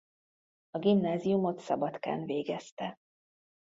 A gimnáziumot Szabadkán végezte.